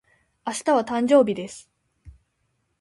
明日は、誕生日です。